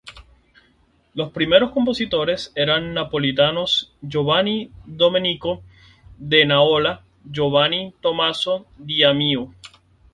Los primeros compositores eran napolitanos: Giovanni Domenico da Nola y Giovanni Tomaso di Maio.